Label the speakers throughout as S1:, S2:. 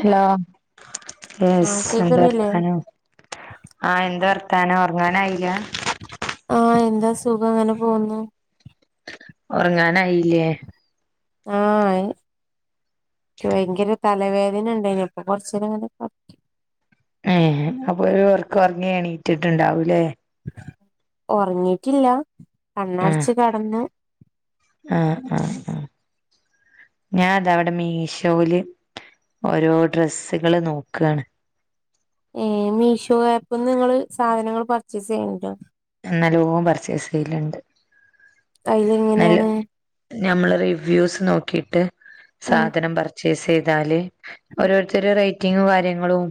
S1: Hello yes
S2: ആഹ്
S1: എന്താ
S2: കേക്കുന്നില്ലേ
S1: വർത്താനം. ആഹ് എന്താ വർത്താനം ഉറങ്ങാനായില.
S2: ആഹ് എന്താ സുഖം അങ്ങനെ പോകുന്നു.
S1: ഉറങ്ങാനായി.
S2: ആ ആയി. ഭയങ്കര തലവേദന ഉണ്ടയിനിപ്പൊ കൊറച്ങ്ങനെ.
S1: അ [unintelligible] ഒരു ഒർക്ക ഉറങ്ങി എണീറ്റിട്ടുണ്ടാവൂല്ലേ.
S2: ഉറങ്ങിട്ടില്ല
S1: ആഹ്
S2: കണ്ണടച്ച് കടന്ന്.
S1: ആഹ് ആഹ് ആഹ്. ഞാൻ ഇത ഇവിടെ മീഷോൽ ഓരോ ഡ്രസ്സുകള് നോക്കാണ്.
S2: ഏ മീഷോ ആപ്പ്ന്ന് ങ്ങള് സാധനങ്ങൾ പർച്ചേസ് ചെയ്യലുണ്ടോ.
S1: നല്ലോം പർച്ചേസ് ചെയ്ലണ്ട്.
S2: അയ്ല് എങ്ങനെയാണ്.
S1: ഞമ്മള് റിവ്യൂസ് നോക്കിയിട്ട്
S2: ഉം
S1: സാധനം പർച്ചേസ് ചെയ്താല് ഓരോരുത്തരു റേറ്റ് റ്റും കാര്യങ്ങളും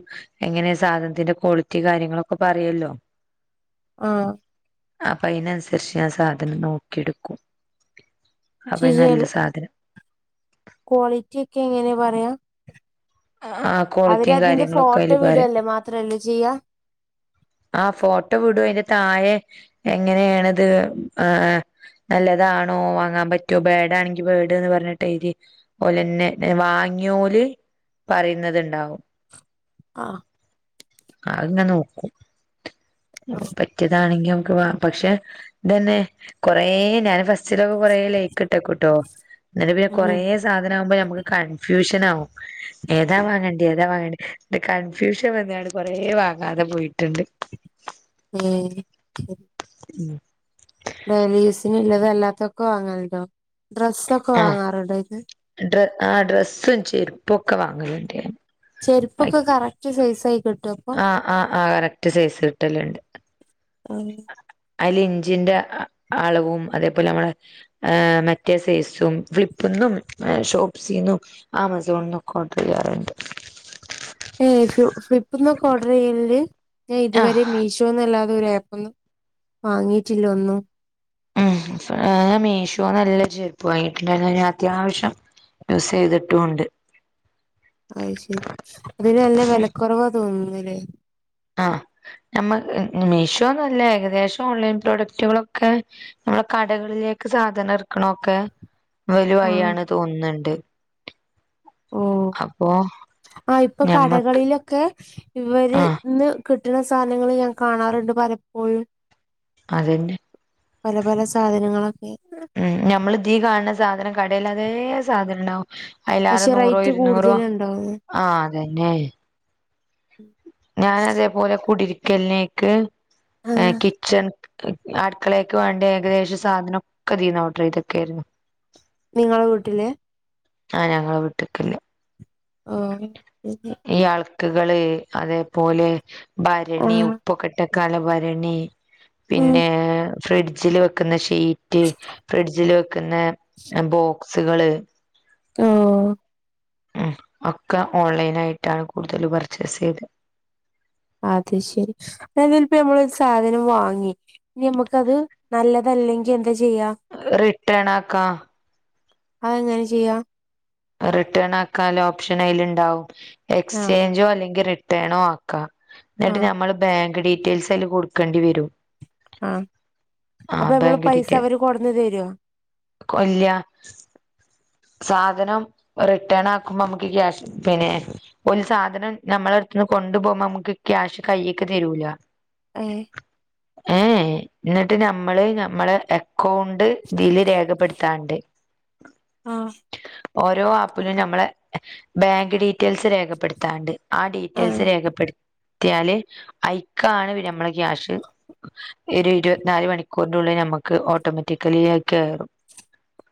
S1: എങ്ങനെ സാധനത്തിന്റെ ക്വാളിറ്റി കാര്യങ്ങളൊക്കെ പറയല്ലോ
S2: ആ
S1: അപ്പൊ അതിനനുസരിച്ച് ഞൻ സാധനം നോക്കിയെടുക്കും അപ്പൊ
S2: ശരിയല്ല
S1: നല്ല സാധനം
S2: ക്വാളിറ്റി ഒക്കെ എങ്ങനെയാ പറയാം
S1: ആ ആ
S2: അവര്
S1: ക്വാളിറ്റിയും
S2: അതിന്റെ
S1: കാര്യങ്ങളൊക്കെ അതില്
S2: ഫോട്ടോ
S1: പറയും
S2: വീഡല്ലേ മാത്രല്ലേ ചെയ്യ
S1: ആ ഫോട്ടോ വിടും അതിന്റെ താഴെ എങ്ങനെയണത് ആ നല്ലതാണോ വാങ്ങാൻ പറ്റോ ബാടാണെങ്കി ബാട് എന്ന് പറഞ്ഞിട്ടെ എഴുതി ലെന്നെ വാങ്ങിയോല് പറയുന്നത്ണ്ടാവും
S2: ആഹ
S1: ആങ്ങനെ നോക്കും പറ്റിയതാണെങ്കി നമുക്ക് വാ പക്ഷെ ഇന്നെന്നെ കൊറെേ ഞൻ ഫസ്റ്റിലൊക്കെ കൊറ ലൈക്ക് ഇട്ടോക്കട്ടോ ന്നിട്ട് പിന്നെ കൊറേ
S2: ഉം
S1: സാധനംമാകുമ്പോ നമുക്ക് കൺഫ്യൂഷൻ ആകും ഏതാ വാങ്ങേണ്ടി താ വാങ്ങണ്ടി കൺഫ്യൂഷൻ വന്നാണ് കൊറെ വാങ്ങാതെ പോയിട്ടുണ്ട്
S2: [unintelligible]
S1: ഉം
S2: ഡെയിലി യൂസിനള്ളത് അല്ലാത്തൊക്കെ വാങ്ങൽല്ലോ ഡ്രസ്സൊക്കെ
S1: ആഹ്
S2: വാങ്ങാറുണ്ടൊ അയിന്ന്
S1: ഡ്ര ആ ഡ്രസ്സും ചെരുപ്പൊക്കെ വാങ്ങല് ണ്ട്
S2: ചെരുപ്പൊക്കെ കറക്റ്റ് സൈസ ആയി കിട്ടൊ
S1: ആ് ആ ആ കറക്റ്റ് സൈസ് കിട്ടുന്നുണ്ട്
S2: ആഹ
S1: അതില് ഇഞ്ചിന്റെ അളവും അതേപോലെ നമ്മള മറ്റേ സൈസും ഫ്ലിപ്പന്നും ഷോപ്പ്സിന്നും ആ മസോൺ നൊക്ക ഓർഡർ ചെയ്യാറു ണ്ട്
S2: ഏ ഫ ഫ്ലിപ്പ്ന്നൊക്കെ ഓർഡർ ചെയ്യല് ണ്ട് ഞാൻ ഇതുവരെ
S1: ആഹ്
S2: മീഷോ മിഷോന്നല്ലാതെ ഒരു ആപ്പ ഒന്നും വാങ്ങിയിട്ടില്ല ഒന്നും
S1: ഉ മീശോ നല്ല ചെരുപ്പ് വാങ്ങിട്ടുണ്ട് അത്യാവശ്യം യൂസ് ചെയ്തിട്ടും ഉണ്ട്
S2: അ ശരി അതിന് നല്ല വിലക്കുറവാ തോന്നുന്നല്ലേ
S1: ആ നമ്മ മീഷോന്നല്ല ഏകദേശം ഓൺലൈൻ പ്രോഡക്റ്റുകളൊക്കെ നമ്മള കടകളിലേക്ക് സാധനം എറക്കണ ഒക്കെ വല് വായി
S2: ആഹ്
S1: ആണ് തോന്നുന്നുണ്ട്
S2: ഓ
S1: അപ്പൊ
S2: ആ ഇപ്പൊ
S1: ഞമ്മക്ക്
S2: കടകളിലൊക്കെ
S1: ആഹ്
S2: ഇവര്ന്ന് കിട്ടുന്ന സാധനങ്ങൾ ഞാൻ കാണാറുണ്ട് പലപ്പോഴും
S1: അതന്നെ
S2: പല പല സാധനങ്ങളൊക്കെ
S1: ഉം ഞമ്മള് ദീ കാൺണ സാധനം കടെല് അതേ സാധനം ഇണ്ടാവും അയിലാറേ
S2: പക്ഷെ
S1: നൂറോ
S2: റേറ്റ്
S1: ഇരുന്നൂറോ
S2: കൂടുതലുണ്ടാവും
S1: ആ അതന്നെ ഞാന അതേപോലെ കുടിര്ക്കൽനേക്ക് ഏ
S2: ആഹ്
S1: കിച്ചൺ അട്ക്കളേക്ക് വാണ്ടി ഏകദേശ സാധന ഒക്ക തീന്ന ഓഡറേയ്തെക്കായിരുന്നു
S2: നിങ്ങള വീട്ടിലെ
S1: ആ ഞങ്ങള വീട്ട്ക്കില്ലേ
S2: [unintelligible]
S1: ഈ അൾക്ക്കള് അതേപോലെ ഭരണി ഉപ്പ് ഒക്കട്ടക്കാല്ല ഭരണി
S2: ആഹ്
S1: പിന്നെ ഫ്രിഡ്ജില് വെക്കുന്ന ഷീറ്റ് ഫ്രിഡ്ജില് വെക്കുന്ന ബോക്സുകള്
S2: ഓ
S1: ഉം ഒക്ക ഓൺലൈൻ ആയിട്ടാണ് കൂടുതല് പർച്ചേസ് ചെയ്തെ
S2: അത് ശരി അതിലപ്പ നമ്മളോരു സാധനം വാങ്ങി ഇനി നമ്മക്കത് നല്ലതല്ലെങ്കി എന്താ ചെയ്യാ
S1: റിട്ടേണാക്കാ
S2: അത് എങ്ങനെ ചെയ്യാ
S1: റിട്ടേൺ ആക്കാല്ല ഓപ്ഷൻ അയ്ല് ഇണ്ടാവും
S2: ആഹ്
S1: എക്സ്ചേഞ്ചോ അല്ലെങ്കി റിട്ടേണോ ആക്കാ ന്നട്ട്
S2: ആഹ്
S1: നമ്മള് ബാങ്ക് ഡീറ്റെയിൽസ് അയ്ല് കൊട്ക്കെണ്ടി വെരും
S2: ആ അപ്പ നമ്മള പൈസ അവര് കൊട്ന്ന് തരോ
S1: കൊല്ല്യ സാധനം റിട്ടേൺ ആക്കുമ്പ നമ്മക്ക് ക്യാഷ് പിന്നെ ഓല് സാധനം നമ്മളട്ത്ത്ന്ന് കൊണ്ടു പോവുമ്പോ നമുക്ക് ക്യാഷ് കയ്യ്ക്ക് തരൂല
S2: ഏ
S1: ഏ ഏ ന്നട്ട് നമ്മള് നമ്മള അക്കൗണ്ട് ഇതില് രേഖപ്പെട് ത്താണ്ട്
S2: ആഹ്
S1: ഓരോ ആപ്പിലും ഞമ്മളെ ബാങ്ക് ഡീറ്റെയിൽസ് രേഖപ്പെട്ത്താണ്ട് ആ ഡീറ്റെയിൽസ് രേഖപ്പെട്ത്തിയാല് അയ്ക്കാണ് വര നമ്മളെ ക്യാഷ് ഒരു ഇരുവത്ത്നാല് മണിക്കൂർന്റുള്ളില് നമ്മക്ക് ഓട്ടോമേറ്റിക്കലി അത് കേറും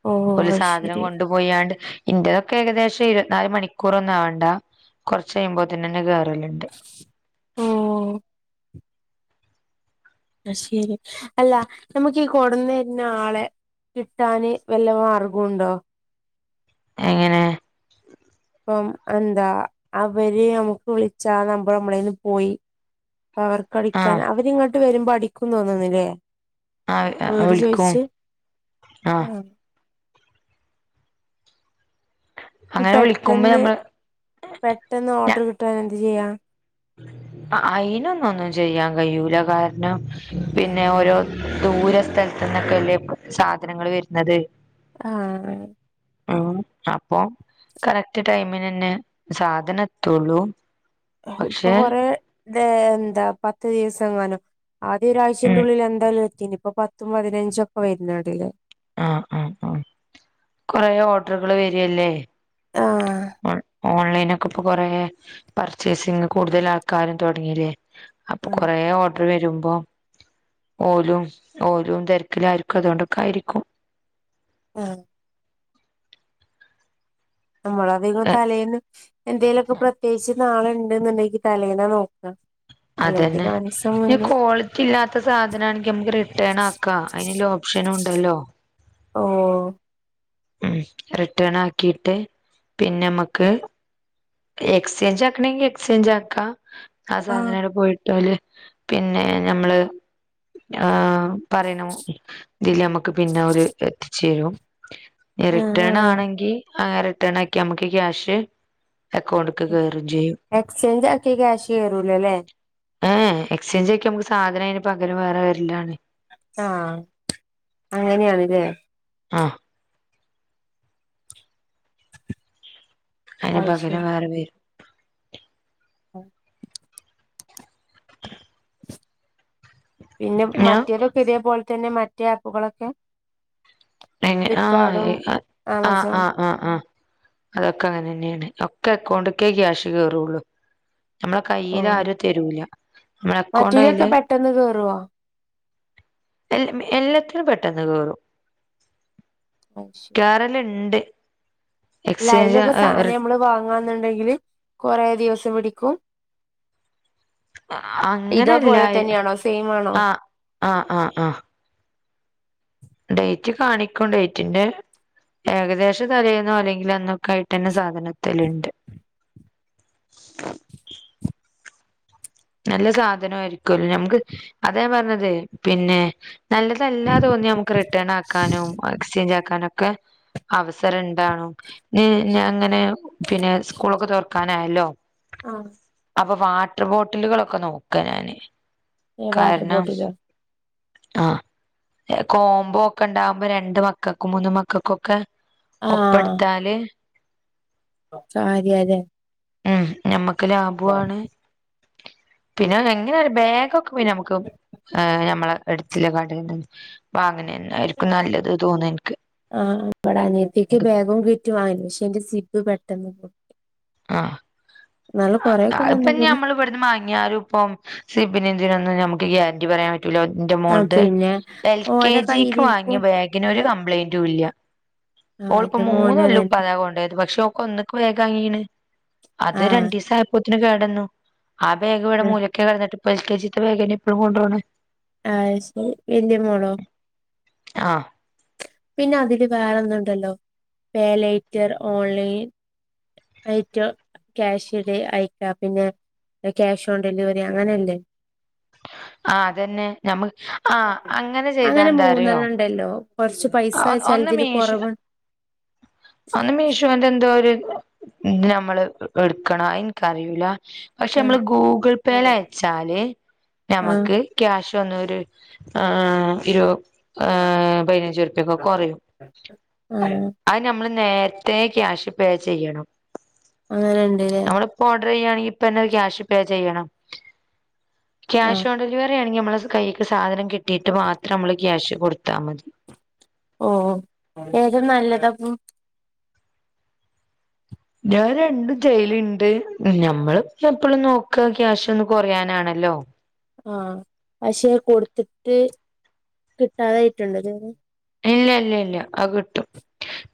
S2: ഓഹ്
S1: ഓല്
S2: അത്
S1: സാധനം
S2: ശരി
S1: കൊ പോയാണ്ട് ഇന്റേതൊക്കെ ഏകദേശം ഇരുവത്ത് നാല് മണിക്കൂറൊന്നു ആവണ്ട കൊർച്ചെയ്യുമ്പോത്തിനന്നെ കേറല്ണ്ട്
S2: ഓ അ ശെരി അല്ല നമ്മക്കീ കൊട്ന്നെര്നാളെ കിട്ടാന് വല്ല മാർഗുണ്ടോ
S1: എങ്ങനെ
S2: ഇപ്പം എന്താ അവര് നമുക്ക് വിളിച്ചാ നമ്പറ് നമ്മളേന്ന് പോയി അപ്പ അവർക്കടിക്കാൻ
S1: ആഹ്
S2: അവരിങ്ങോട്ട് വരുമ്പോ അടിക്കും തോന്നുന്ന്ല്ലേ
S1: ആഹ്
S2: വീട്
S1: വിളിക്കും
S2: ചോയിച്ച്
S1: ആഹ്
S2: ഉം ഇ
S1: അങ്ങനെ വിളിക്കുമ്പോ
S2: പെട്ടെന്ന്
S1: നമ്മള്
S2: പെട്ടെന്ന് ഓടർ കിട്ടാൻ എന്താ ചെയ്യാ
S1: അ അയ്നൊന്നു ഒന്നും ചെയ്യാൻ കയ്യൂല കാരണം പിന്നെ ഓരോ ദൂര സ്ഥൽ ത്ത്ന്നക്കല്ലേ സാധനങ്ങള് വര്നത്
S2: ആ
S1: ഉം അപ്പൊ കറക്ട് ടൈമിനെന്നെ സാധനത്തൊള്ളൂ
S2: ഇപ്പൊ കൊറേ ന്തേ ന്താ പത്ത് ദിവസംങ്ങാനും ആദ്യ ഒരു
S1: ഉം
S2: ആഴ്ചന്റുള്ളില് എന്തായാലും എത്തിനി. പ്പൊ പത്തും പതിനഞ്ചും ഒക്കെ വെരുന്നാ ഡിലെ
S1: ആഹ് ആഹ് ആഹ് കൊറേ ഓർഡ്ർകള് വെരല്ലേ.
S2: ആഹ്
S1: ഓൺ ഓൺലൈനൊക്കെ പ്പൊ കൊറേ പർച്ചേസിങ് കൂട്തലാൾക്കാരും തൊട്ങ്ങീല്ല്യേ അപ്പൊ
S2: ഉം
S1: കൊറേ ഓ ട്ർ വെരുമ്പോ ഓലും ഓലും തെര്ക്ക്ലായ്ര്ക്കും അതോണ്ടൊക്കായിരിക്കും.
S2: ആഹ്. അമ്മളാധികും
S1: എ,
S2: തലേന്ന് എന്തേലൊക്കെ പ്രത്യേകിച്ച് നാളെണ്ട്ന്ന്ണ്ടെങ്കി തലേന്നാ നോക്കാ അല്ലെങ്കി നാലീസ്
S1: ന്നെ കോളിറ്റി ഇല്ലാത്ത സാധനാണെങ്കി അമ്മക്ക് റിട്ടേണാക്കാ അയ്ന്ല്ല ഓപ്ഷനുണ്ടല്ലോ
S2: ഓഹ്.
S1: ഉം റിട്ടേണാക്കീട്ട് പിന്നെമ്മക്ക് എക്സ്ചേഞ്ചാക്കണെങ്കി എക്സ്ചേഞ്ചാക്കാ ആ
S2: ആഹ്
S1: സാധനടെ പോയിട്ടോ ല്ലേ പിന്നെ ഞമ്മള് ആഹ് പറീനൊ തില് അമ്മക്ക് പിന്നെ ഓര് എത്തിച്ചേരും ഏ
S2: ആഹ് ആഹ്
S1: റിട്ടേണാണെങ്കി ആ റിട്ടേണാക്കി അമ്മക്ക് ക്യാഷ് അക്കൗണ്ട്ക്ക് കേറും ചെയ്യും
S2: എക്സ്ചേഞ്ച് ആക്കി ക്യാഷ് കേറൂലലേ
S1: ഏഹ് ഏഹ് എക്സ്ചേഞ്ച് ആക്യാ അമ്മക്ക് സാധനയ്ന് പകരം വേറെ വെര്ലാണ്.
S2: ആഹ്, അങ്ങന്യാണ്ലേ.
S1: ആഹ്. അയ്ന്
S2: അത്
S1: പകരം
S2: ശരി
S1: വേറെ വെരും.
S2: ആഹ്. പിന്നെ
S1: ഞാൻ
S2: മറ്റേതൊക്കെ ഇതേപോൽ തന്നെ മറ്റേ ആപ്പുകളൊക്കെ.
S1: എങ്ങ ആഹ്
S2: ഫ്ലിപ്കാർഡും
S1: ഏഹ് ആഹ് ആഹ്
S2: ആമസോൺ
S1: ആഹ് ആഹ് ആഹ് അതൊക്കെ അങ്ങനെന്നേണ് ഒക്കെ അക്കൗണ്ടൊക്കെ ക്യാഷ് കേറൊള്ളൂ. അമ്മളെ കയ്യില് ആരുയ് തെരൂലാ.
S2: മറ്റീലൊക്കെ പെട്ടെന്ന് കേറുവോ?
S1: എല്ല മെ എല്ലത്തിലും പെട്ടെന്ന് കേറും.
S2: [unintelligible]
S1: കറല്ണ്ട്
S2: ല അയ്ലൊക്കെ സാനയമ്മള് വാങ്ങാന്ന്ണ്ടെങ്കില് കൊറേ ദിവസം പിടിക്കും ഇതോ
S1: അങ്ങനെല്ല
S2: പോലെ തന്നെയാണോ സെയിമാണോ
S1: ആഹ് ആഹ്, ആഹ്, ആഹ് ഡെയ്റ്റ് കാണിക്കും. ഡെയ്റ്റിന്റെ ഏകദേശം തലേന്നോ അല്ലെങ്കിലന്നൊക്കെ ആയിട്ട്ന്നെ സാധനത്തെല്ണ്ട് നല്ല സാധനോയ്രിക്കൊല്ലോ ഞമ്മുക്ക് അതാ ഞാൻപർഞ്ഞത് പിന്നെ നല്ലതല്ലാ തോന്ന്യാ അമുക്ക് റിട്ടേണാക്കാനും എക്സ്ചേഞ്ചാക്കാനും ഒക്കെ അവസരംണ്ടാണും ഞി ഞാ അങ്ങനെ പിന്നെ സ്കൂളൊക്കെ തൊർക്കാനായല്ലോ
S2: ആഹ്
S1: അപ്പ വാട്ട്ർ ബോട്ടിലുകളൊക്കെ നോക്ക ഞാന്
S2: വാട്ടർ
S1: കാര്ണം
S2: ബോട്ടിലോ
S1: ആഹ് ഏഹ് കോമ്പോ ണ്ടാവുമ്പോ രണ്ട് മക്കക്കും മൂന്ന് മക്കക്കുംക്കെ ഒപ്പട്ത്താല്
S2: ചാര്യാ ലെ
S1: ഉം ഞമ്മക്ക് ലാഭും ആണ് പിന്നെ എങ്ങനെ ഒരു ബാഗൊക്കെ പിന്ന നമുക്ക് നമ്മളെ എടുത്ത് ല്ലെ കടേന്ന് വാങ്ങ്നന്നായിരിക്കും നല്ലത് തോന്ന ഇൻക്ക്
S2: ആഹ് ഇവടെ അനിയത്തിക്ക് ബാഗും കിറ്റും വാങ്ങ്ചീൻ്റെ സിബ് പെട്ടെന്ന് പോ
S1: ആഹ് അത്
S2: കൊറെയൊക്കെ
S1: ഇപ്പൊ
S2: നിന്ന്ക്ക്ണ്
S1: നമ്മൾ ഇവട്ന്ന് വാ ഇനി ആരും ഇപ്പം സി പിനന്ദതിനൊന്ന് നമുക്ക് ഗ്യാരന്റി പറയാൻ പ [unintelligible]
S2: ആ
S1: ന്റെമോൾത്
S2: പിന്നെ
S1: എൽ കെ
S2: ഓരെ
S1: ജിക്ക്
S2: കയ്യിലിരിക്കും
S1: വാങ്ങിയ ബാഗിന് ഒരു കംപ്ലൈയിന്റും ഇല്ല
S2: ആഹ്
S1: ഓള് പ്പൊ
S2: എന്റെ
S1: മൂന്ന്
S2: മോനും
S1: കൊല്ലൊം
S2: അതന്നെ
S1: ഉപ്പാതാ കൊണ്ടയ്ത് പക്ഷെ ഓക്ക് ഒന്ന്ക്ക് ബേക് വാങ്ങീക്ണ് അത്
S2: ആഹ്
S1: രണ്ടീസം ആയപ്പോത്തിന് കേടന്നു ആ ബേഗ്വടെ മൂല ഒക്ക കടന്നിട്ട് പ്പൊ എൽ കെ ജിത്തെ വേഗന്നെ ഇപ്പഴും കൊണ്ട് പോണ്
S2: അത് ശരി വലിയ മോളോ
S1: ആഹ്
S2: പിന്നെ അതില് വേറെന്നുംണ്ടല്ലോ പേലേറ്റർ ഓൺലൈൻ ഏറ്റോ ക്യാഷ [unintelligible] അയക്ക പിന്നെ ന്നെ ക്യാഷ് ഓൺ ഡെലിവറി അങ്ങനെല്ലേ
S1: ആ അതന്നെ ഞമ്മ ആ അങ്ങനെ ചെയ്താ എന്താ അറിയോ
S2: ഉണ്ടല്ലോ കുറച്ച് പൈസ
S1: ഒന്ന്
S2: ചെൽതില് കുറവ്
S1: അത് മീഷോൻ്റെ എന്തോ ഒരു പിന്നെ നമ്മള് എടുക്കണം അത് ഇൻക്കറിയില പക്ഷെ
S2: ആ
S1: നമ്മള് ഗൂഗിൾ പേയില അയച്ചാല്
S2: ആ
S1: ഞമ്മക്ക് ക്യാഷ് വന്ന ഒരു ആ ഇരുവത് ആ പതിനഞ്ച് കുറയും
S2: ആ
S1: അത് നമ്മൾ നേരത്തെ ക്യാഷ് പേ ചെയ്യണം
S2: അങ്ങനെണ്ട്ല്ലേ
S1: ഇപ്പൊ ഓർഡർ ചെയ്യാണെങ്കിൽ ഇപ്പ എന്നെ ക്യാഷ് പേ ചെയ്യണം
S2: ആ
S1: ക്യാഷ് ഓൺ ഡെലിവറി ആ നി നമ്മള കൈയ്ക്ക് സാധനം കിട്ടിയിട്ട് മാത്രം നമ്മള് ക്യാഷ് കൊടുത്താ മതി
S2: ഓഹ് ഏതാ നല്ലതപ്പം
S1: ഞാൻ രണ്ടും ചെയ്യല്ണ്ട് ഞമ്മള്പ്പം എപ്പളും നോക്ക ക്യാഷ് ഒന്ന് കുറയാനാണല്ലോ
S2: ആഹ് പക്ഷേ കൊടുത്തിട്ട് കിട്ടാതായിട്ടുണ്ട് ഇത് വരെ
S1: ഇല്ല ഇല്ല ഇല്ല അത് കിട്ടും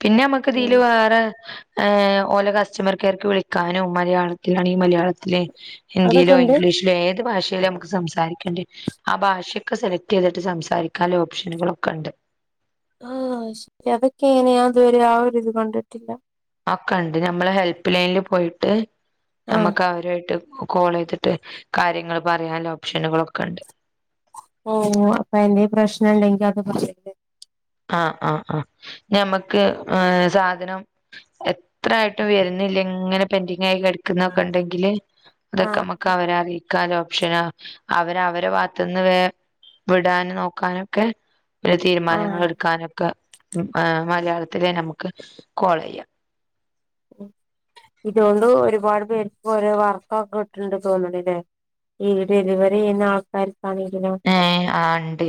S1: പിന്നെ നമ്മക്ക്
S2: ഉം
S1: ഇതില് വേറെ ഏഹ് ഓല കസ്റ്റമർ കെയർക്ക് വിളിക്കാനും മലയാളത്തിലാണങ്കി മലയാളത്തില്
S2: അതൊക്കെ
S1: ഹിന്ദിയിലോ
S2: ഉണ്ട്
S1: ഇംഗ്ലീഷിലോ ഏത് ഭാഷയിലും നമുക്ക് സംസാരിക്കേണ്ടേ ആ ഭാഷയൊക്കെ സെലക്ട് ചെയ്തിട്ട് സംസാരിക്കാന്ല്ല ഓപ്ഷനുകളൊക്കെ ഉണ്ട്
S2: ആഹ് ശരി അതൊക്കെ ഇങ്ങനെയ ഞാൻ ഇതുവരെ ആ ഒരിത് കണ്ടിട്ടില്ല
S1: അഒക്കെ ഉണ്ട് നമ്മള് ഹെല്പ് ലൈനിൽ പോയിട്ട്
S2: ആ
S1: നമ്മക്ക് അവരുമായിട്ട് കോൾ ചെയ്തിട്ട് കാര്യങ്ങൾ പറയാന്ല്ല ഓപ്ഷനുകളൊക്കെ ഉണ്ട്
S2: ഓ അപ്പൊ എന്തേ പ്രശ്നം ഉണ്ടെങ്കി അത് പറയ
S1: ആഹ് ആഹ് ആഹ് ഞമ്മക്ക് ഏഹ് സാധനം എത്രായിട്ടും വരുന്നില്ല ഇങ്ങനെ പെന്റിങ്ങായി കട ക്കുന്നൊക്കെ ഉണ്ടെങ്കില് അതൊക്കെ
S2: ആഹ്
S1: നമ്മുക്ക് അവരെറിയി കാല്ല ഓപ്ഷനും അവര് അവരെ ഭാഗത്തുന്ന് വേ വിടാനും നോക്കാനൊക്കെ ഒരു തീരുമാനങ്ങൾ
S2: ആഹ്
S1: എടുക്കാനൊക്കെ മലയാളത്തിലെന്നെ നമുക്ക് കോൾ ചെയ്യാം
S2: ഇതുകൊണ്ട് ഒരുപാട് പേർക്ക് ഓരോ വർക്കൊക്കെ കിട്ടിണ്ട് തോന്നണ്ല്ലേ ഈ ഡലിവറി ചെയ്യുന്ന ആൾക്കാ [unintelligible]
S1: ഏഹ് ആഹ് ഉണ്ട്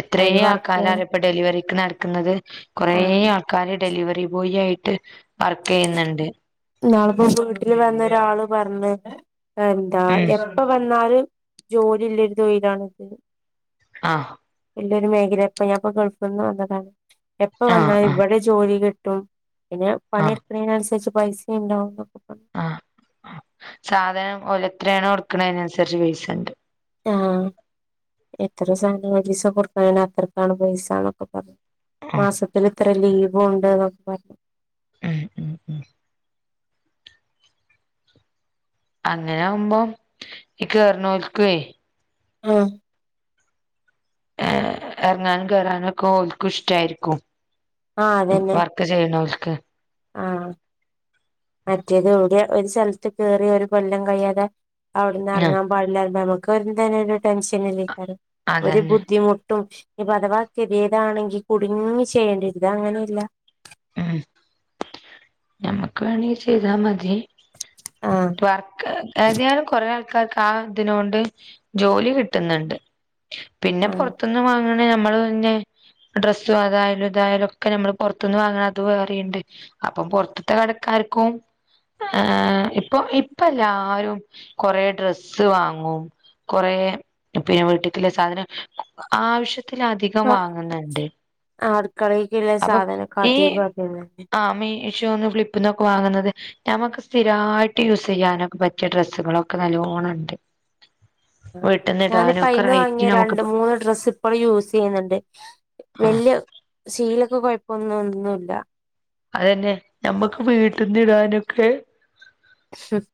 S1: എത്രേ
S2: അതില് വർക്ക് ചെയ്യാൻ
S1: ആൾക്കാരാറി ഇപ്പൊ ഡെലിവറിക്ക് നടക്കുന്നത് കുറെ
S2: ആഹ്
S1: ആൾക്ക ആൾക്കാര് ഡെലിവറി ബോയി ആയിട്ട് വർക്ക് ചെയ്യുന്നുണ്ട്
S2: നാളിപ്പോ വീട്ടില് വന്ന ഒരാള് പറഞ്ഞ് എന്താ
S1: ഉം
S2: എപ്പ വന്നാലും ജോലി ഇല്ല. ഒരു തൊഴിലാണിത്.
S1: ആഹ്
S2: ഇല്ലൊരു മേഖല ഇപ്പ ഞൻപ്പോ ഗൾഫിൽ നിന്ന് വന്നതാണ് എപ്പ
S1: ആ
S2: വന്നാലും
S1: ആ
S2: ഇവിടെ ജോലി കിട്ടും. പിന്നെ
S1: ആ
S2: പണിയെടുക്കുന്ന തിനനുസരിച് പൈസ ഉണ്ടാവും. പറഞ്ഞു
S1: ആഹ്‌, സാധനം ഓലെ എത്രയാണോ എ ടുക്കണ അതിനനുസരിച്ച് പൈസ ഉണ്ട്.
S2: ആഹ്, എത്ര സാധനംഒരു ദിവസം കൊടുക്നീന് അത്രക്കാണ് പൈസ ന്നൊക്കെ ക്കെ പറഞ്ഞു
S1: ആ
S2: മാസത്തില് ഇത്ര ലീവ് ഉണ്ട് എന്നൊ പറഞ്ഞു
S1: [unintelligible] അങ്ങനെ ആകുമ്പോം ഈ കേറുന്നോൽക്കേ
S2: [unintelligible]
S1: ഏ, ഇറങ്ങാനും കയറാനും ഒക്കെ, ഓൽ ക്കും ഇഷ്ടായിരിക്കും.
S2: ആഹ്, അതന്നെ.
S1: ക്കെ ചെയ്യണോൽ ക്ക്.
S2: ആഹ്, മറ്റേത് ഇവിടെ ഒരു സ്ഥലത്ത് കേറി ഒരു കൊല്ലം കഴിയാതെ അവിടന്ന്
S1: ആഹ്
S2: ഇറങ്ങാൻ പാടില്ലന്ന് പറയുമ്പോ, നമുക്ക് എന്താ യാലും ഒരു ടെൻഷൻ അല്ല്യക്കാരം. ഒരു
S1: അതന്നെ
S2: ബുദ്ധിമുട്ട് ട്ടും. ന്നി, പ്പൊ, അധവാ, കതിയേഡ് ആ ണെങ്കിൽ കുടുങ്ങി ചെയ്യേണ്ടി വരും. ഇത് അങ്ങനെയല്ല.
S1: [unintelligible] ഞമ്മക്ക് വേണങ്കി ചെയ്താ മതി.
S2: ആഹ്
S1: വർക്ക് ഏതാലും കൊറെ ആൾക്ക്. കാർക്ക് ആ, ഇതിനൊണ്ട് ജോലി കിട്ടുന്നുണ്ട്. പിന്നെ
S2: ആഹ്
S1: പുറത്ത് ന്ന് വാങ്ങണ നമ്മള് പിന്നെ ഡ്രസ് അതായാലും ഇതായാലും ഒക്കെ നമ്മള് പുറത്തുനിന്ന് വാങ്ങ അത് വേറെണ്ട്. അപ്പം പൊറത്തത്തെ കടക്കാർക്കും. ആഹ്, ഇപ്പൊ, ഇപ്പം, എല്ലാരും കൊറെ ഡ്രസ്സ് വാങ്ങും. കുറെ പിന്നെ വീട്ക്ക് ഉള്ള സാധനം ആവശ്യ ത്തിലധികം
S2: ഇപ്പ
S1: വാങ്ങുന്നുണ്ട്.
S2: അടുക്കളേക്കുള്ള
S1: അപ്പൊ
S2: സാധനൊക്കെ
S1: ഈ
S2: [unintelligible]
S1: ആഹ്, മീഷോന്ന് ഫ്ലിപ്പ് നിന്നൊക്കെ വാങ്ങുന്നത് ഞമക്ക് സ്ഥിരമായിട്ട് യൂസ് ചെയ്യാനൊക്കെ പറ്റിയ ഡ്രസ്സുകളൊക്കെ നല്ലോണം ഉണ്ട്. വീട്ടിന്ന്
S2: ഞാനിപ്പ
S1: ഇടാനും ഒക്കെ
S2: അയിന്ന് വാങ്ങിയ
S1: റൈറ്റ് നമുക്ക്
S2: രണ്ട് മൂന്ന് ഡ്രസ്സ് ഇപ്പഴും യൂസ് ചെയ്യുന്നുണ്ട്.
S1: ആഹ്
S2: വല്യ ശീലൊക്കെ കൊഴപ്പൊന്നും ഒന്നുമില്ല.
S1: അതന്നെ, ഞമ്മക്ക് വീട്ടിൽന്ന് ഇടാനൊക്കെ.
S2: [unintelligible]